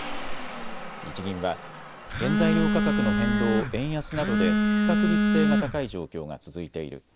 日銀は原材料価格の変動、円安などで不確実性が高い状況が続いている。